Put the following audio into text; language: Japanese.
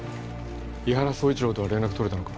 伊原総一郎とは連絡取れたのか？